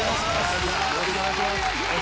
よろしくお願いします。